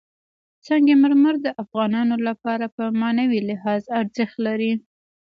سنگ مرمر د افغانانو لپاره په معنوي لحاظ ارزښت لري.